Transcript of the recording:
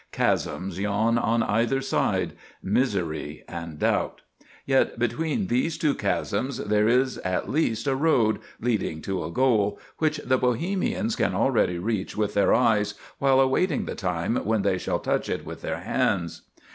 Chasms yawn on either side—misery and doubt. Yet between these two chasms, there is at least a road, leading to a goal, which the Bohemians can already reach with their eyes, while awaiting the time when they shall touch it with their hands."